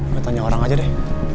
gue tanya orang aja deh